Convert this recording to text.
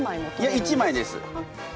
いや一枚です。